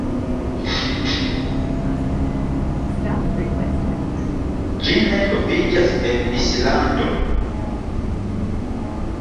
Ĝi ne troviĝas en Islando.